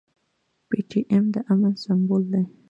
پي ټي ايم د امن سمبول دی.